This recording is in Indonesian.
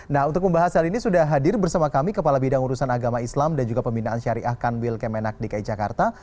nah untuk membahas hal ini sudah hadir bersama kami kepala bidang urusan agama islam dan juga pembinaan syariah kanwil kemenak dki jakarta